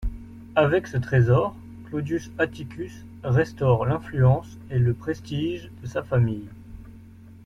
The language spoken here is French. Avec ce trésor, Claudius Atticus restaure l'influence et le prestige de sa famille.